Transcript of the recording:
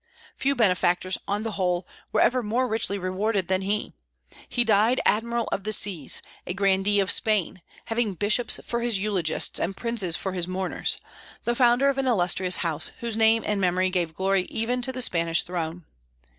Few benefactors, on the whole, were ever more richly rewarded than he. He died Admiral of the Seas, a grandee of Spain, having bishops for his eulogists and princes for his mourners, the founder of an illustrious house, whose name and memory gave glory even to the Spanish throne.